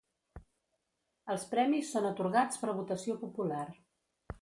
Els premis són atorgats per votació popular.